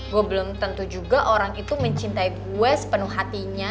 gue belum tentu juga orang itu mencintai gue sepenuh hatinya